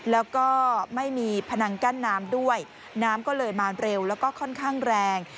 แล้วก็ไม่มีพนังกั้นน้ำด้วยน้ำก็เลยมาเร็วแล้วก็ค่อนข้างแรง